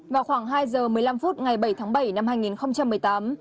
vào khoảng hai giờ một mươi năm phút ngày bảy tháng bảy năm hai nghìn một mươi tám